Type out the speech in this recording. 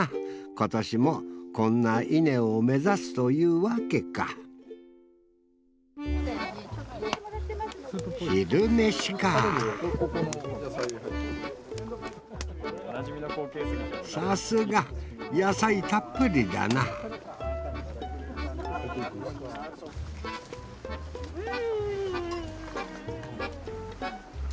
今年もこんな稲を目指すというわけか昼飯かさすが野菜たっぷりだなハハハッ。